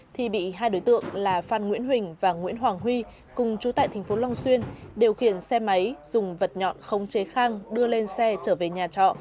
thì bị hai đối tượng là phan nguyễn huỳnh và nguyễn hoàng huy cùng chú tại tp long xuyên điều khiển xe máy dùng vật nhọn khống chế khang đưa lên xe trở về nhà trọ